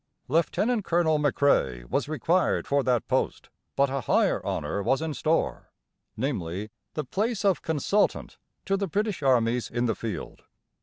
Lieut. Colonel McCrae was required for that post; but a higher honour was in store, namely the place of Consultant to the British Armies in the Field.